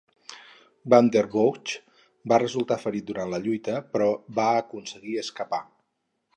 Van den Bossche va resultar ferit durant la lluita, però va aconseguir escapar.